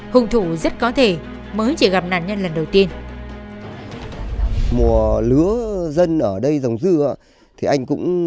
hùng thủ rất có thể mới chỉ gặp nạn nhân lần đầu tiên